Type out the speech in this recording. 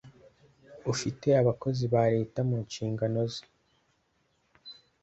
ufite abakozi ba Leta mu nshingano ze